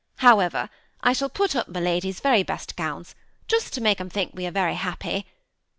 How ever, I shall put up my lady's very best gowns, just to make them think we are very happy.